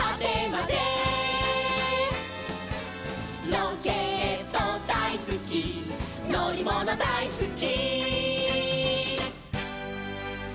「ロケットだいすきのりものだいすき」